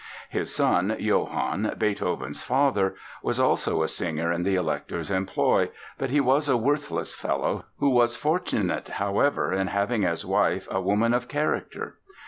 His son Johann, Beethoven's father, was also a singer in the Elector's employ, but he was a worthless fellow, who was fortunate, however, in having as wife a woman of character.